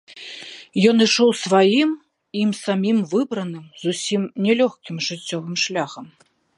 Ён ішоў сваім, ім самім выбраным, зусім не лёгкім жыццёвым шляхам.